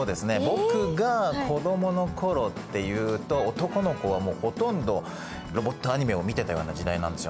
僕が子どもの頃っていうと男の子はほとんどロボットアニメを見てたような時代なんですよ。